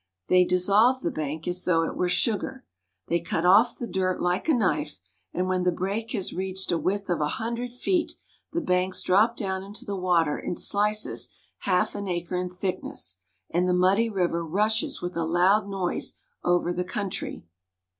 They dissolve the bank as though it were sugar ; they cut oflf the dirt Hke a knife ; and when the break has reached a width of a hundred feet the banks drop down into the water in sHces half an acre in thickness, and the muddy river rushes with a loud noise over the country.